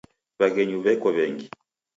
W'aghenyu w'eko w'engi.